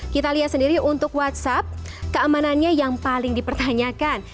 kita lihat sendiri untuk whatsapp keamanannya yang paling dipertanyakan